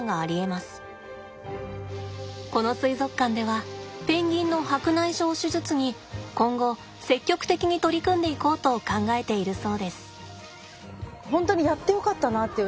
この水族館ではペンギンの白内障手術に今後積極的に取り組んでいこうと考えているそうです。